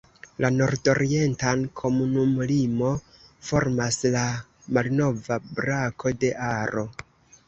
La nordorientan komunumlimo formas la malnova brako de Aro.